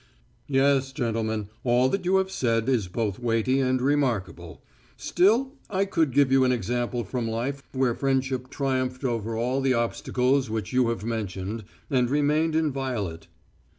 "Yes, gentlemen, all that you have said is both weighty and remarkable. Still I could give you an example from life where friendship triumphed over all the obstacles which you have mentioned, and remained inviolate."